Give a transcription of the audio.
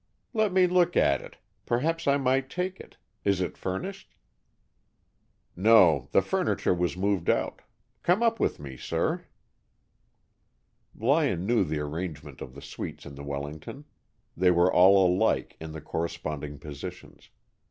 "Let me look at it. Perhaps I might take it. Is it furnished?" "No, the furniture was moved out. Come up with me, sir." Lyon knew the arrangement of the suites in the Wellington. They were all alike, in the corresponding positions.